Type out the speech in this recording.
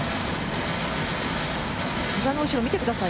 膝の後ろを見てください。